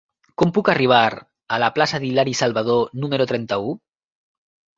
Com puc arribar a la plaça d'Hilari Salvadó número trenta-u?